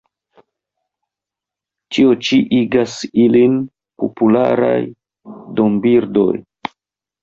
Tio ĉi igas ilin popularaj dombirdoj.